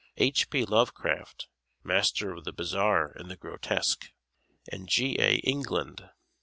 H. P. Lovecraft (master of the bizarre and the grotesque) and G. A. England.